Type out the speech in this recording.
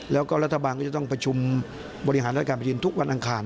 แล้วก็รัฐบาลก็จะต้องประชุมบริหารรายการแผ่นดินทุกวันอังคาร